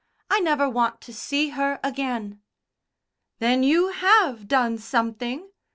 "I never want to see her again." "Then you have done something?"